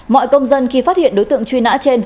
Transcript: mọi công dân khi phát hiện đối tượng truy nã trên